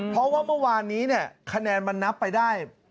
เพราะว่าเมื่อวานนี้เนี่ยคะแนนมันนับไปได้